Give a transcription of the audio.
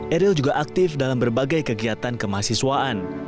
eril juga aktif dalam berbagai kegiatan kemahasiswaan